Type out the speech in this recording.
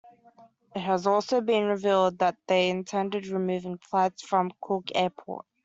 It has also been revealed that they intended removing flights from Cork Airport.